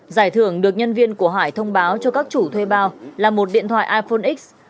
giải thưởng được nhân viên của hải thông báo cho các chủ thuê bao là một điện thoại iphone x